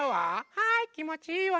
はいきもちいいわね！